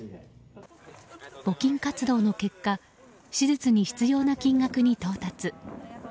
募金活動の結果手術に必要な金額に到達。